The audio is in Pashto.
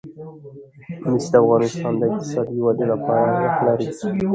مس د افغانستان د اقتصادي ودې لپاره ارزښت لري.